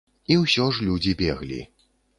І ўсё ж людзі беглі.